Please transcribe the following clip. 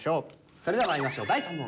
それではまいりましょう第３問。